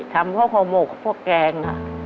ทำพ่อขอมกพ่อแกง